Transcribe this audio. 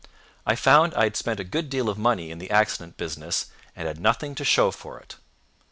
I found I had spent a good deal of money in the accident business, and had nothing to show for it.